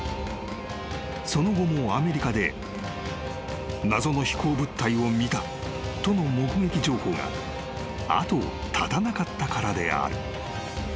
［その後もアメリカで謎の飛行物体を見たとの目撃情報が後を絶たなかったからである］